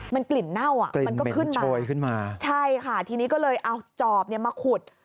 มันกลิ่นเน่ามันขึ้นมาน่ะใช่ค่ะทีนี้ก็เลยเอาจอบมาขุด